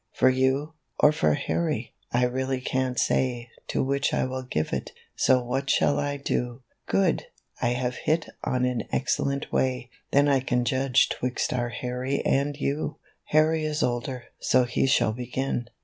"For you, or for Harry? I really can't say To which I will give it ; so what shall I do ? Good ! I have hit on an excellent way ; Then I can judge 'twixt our Harry and you ! "Harry is older, so he shall begin.